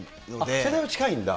それは近いんだ。